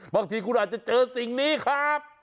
บางทีคุณอาจจะเจอสิ่งนี้ครับ